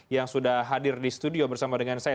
yang sudah hadir di studio bersama dengan saya